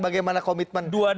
bagaimana komitmen keduanya